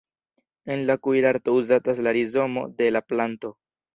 En la kuirarto uzatas la rizomo de la planto.